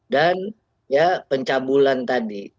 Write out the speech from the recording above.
dan pencabulan tadi